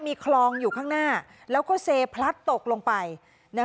มีคลองอยู่ข้างหน้าแล้วก็เซพลัดตกลงไปนะคะ